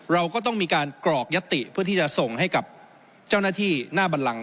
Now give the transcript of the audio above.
เราก็ต้องมีการกรอกยัตติเพื่อที่จะส่งให้กับเจ้าหน้าที่หน้าบันลัง